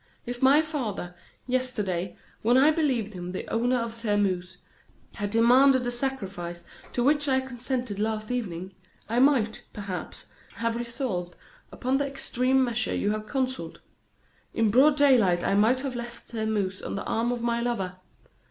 If my father, yesterday, when I believed him the owner of Sairmeuse, had demanded the sacrifice to which I consented last evening, I might, perhaps, have resolved upon the extreme measure you have counselled. In broad daylight I might have left Sairmeuse on the arm of my lover.